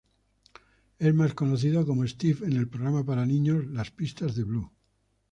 Es más conocido como Steve en el programa para niños Las pistas de Blue.